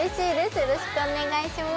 よろしくお願いします。